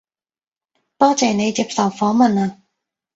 多謝你接受訪問啊